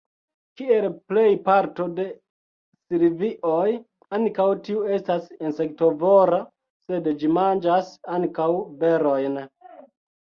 Kiel plej parto de silvioj, ankaŭ tiu estas insektovora, sed ĝi manĝas ankaŭ berojn.